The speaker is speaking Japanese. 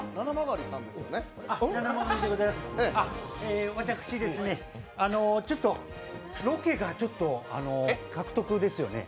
あ、私ですね、ちょっとロケがちょっと獲得ですよね？